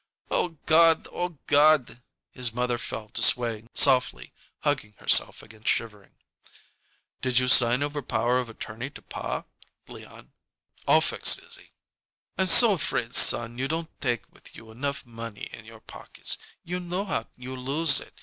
"O God! O God!" His mother fell to swaying softly, hugging herself against shivering. "Did you sign over power of attorney to pa, Leon?" "All fixed, Izzie." "I'm so afraid, son, you don't take with you enough money in your pockets. You know how you lose it.